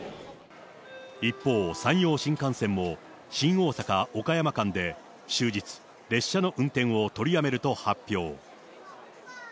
一方、山陽新幹線も新大阪・岡山間で終日、列車の運転を取りやめると発表。